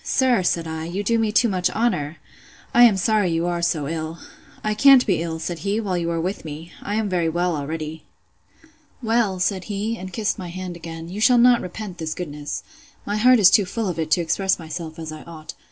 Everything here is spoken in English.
Sir, said I, you do me too much honour!—I am sorry you are so ill.—I can't be ill, said he, while you are with me. I am very well already. Well, said he, and kissed my hand again, you shall not repent this goodness. My heart is too full of it to express myself as I ought.